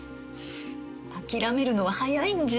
諦めるのは早いんじゃ。